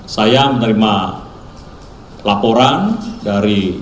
saya menerima laporan dari